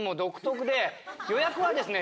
予約はですね